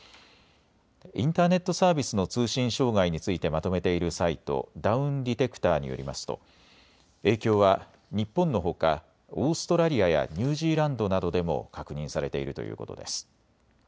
インターネットサービスの通信障害についてまとめているサイト、ダウンディテクターによりますと影響は日本のほかオーストラリアやニュージーランドなどでも確認されているということです。